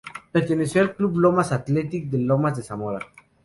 Perteneció al Club Lomas Athletic, de Lomas de Zamora.